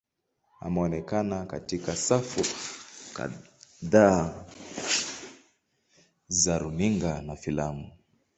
Ameonekana katika safu kadhaa za runinga na filamu.